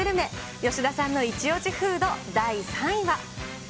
吉田さんの一押しフード、第３位は。